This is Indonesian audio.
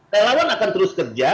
relawan akan terus kerja